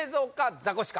ザコシか？